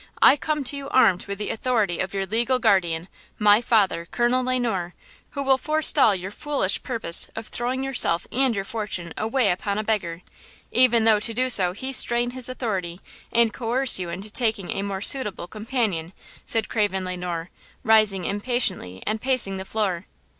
I come to you armed with the authority of your legal guardian, my father, Colonel Le Noir, who will forestall your foolish purpose of throwing yourself and your fortune away upon a beggar, even though to do so he strain his authority and coerce you into taking a more suitable companion," said Craven Le Noir, rising impatiently and pacing the floor.